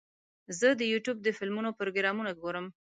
زه د یوټیوب د فلمونو پروګرامونه ګورم.